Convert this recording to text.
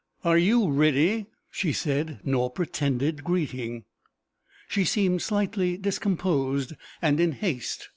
"Are you ready?" she said, nor pretended greeting. She seemed slightly discomposed, and in haste.